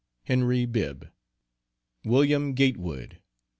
HENRY BIBB. WILLIAM GATEWOOD.